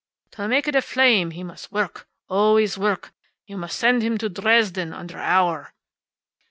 To make it a flame he must work, always work. You must send him to Dresden, under Auer."